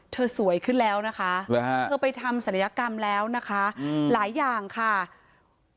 สวยขึ้นแล้วนะคะเธอไปทำศัลยกรรมแล้วนะคะหลายอย่างค่ะ